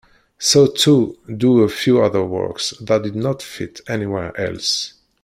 So too do a few other works that did not fit anywhere else.